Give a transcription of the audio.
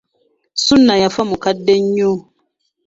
Ssuuna yafa mukadde nnyo.